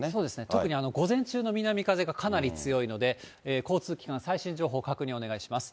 特に午前中の南風がかなり強いので、交通機関、最新情報、確認をお願いします。